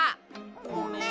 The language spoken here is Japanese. ごめん。